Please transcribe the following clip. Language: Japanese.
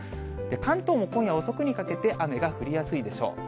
関東も今夜遅くにかけて雨が降りやすいでしょう。